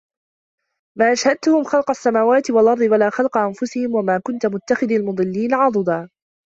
مَا أَشْهَدْتُهُمْ خَلْقَ السَّمَاوَاتِ وَالْأَرْضِ وَلَا خَلْقَ أَنْفُسِهِمْ وَمَا كُنْتُ مُتَّخِذَ الْمُضِلِّينَ عَضُدًا